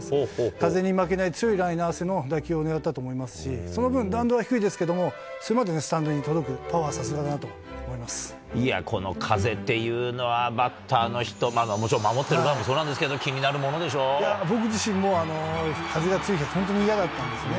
風に負けない強いライナー性の打球を狙ったと思いますし、その分弾道は低いですけど、その分スタンドに届くパワーはさすがだなといや、この風っていうのは、バッターの人、もちろん、守ってる側もそうなんですけれども、僕自身、もう風が強いときは本当に嫌だったんですね。